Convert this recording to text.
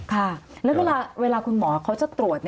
ค่ะแล้วเวลาคุณหมอเขาจะตรวจ